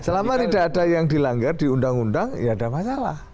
selama tidak ada yang dilanggar di undang undang ya ada masalah